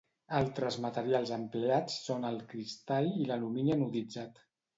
Altres materials empleats són el cristall i l'alumini anoditzat.